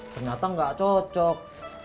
ternyata gak cocok